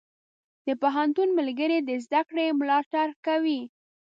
د پوهنتون ملګري د زده کړې ملاتړ کوي.